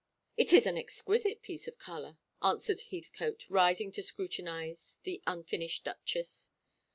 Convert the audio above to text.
"It is an exquisite piece of colour," answered Heathcote, rising to scrutinise the unfinished Duchess.